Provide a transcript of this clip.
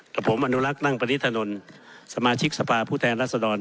กับผมอนุรักษ์นั่งปริธนนท์สมาชิกสภาพผู้แทนรัศดร